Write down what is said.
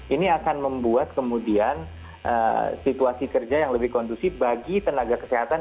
ini akan membuat kemudian situasi kerja yang lebih kondusif bagi tenaga kesehatan